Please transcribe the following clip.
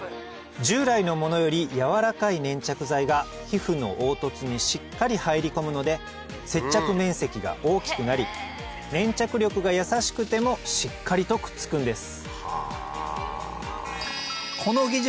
従来のものよりやわらかい粘着剤が皮膚の凹凸にしっかり入り込むので接着面積が大きくなり粘着力が優しくてもしっかりとくっつくんです